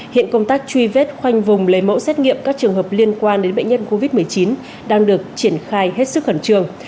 hiện công tác truy vết khoanh vùng lấy mẫu xét nghiệm các trường hợp liên quan đến bệnh nhân covid một mươi chín đang được triển khai hết sức khẩn trương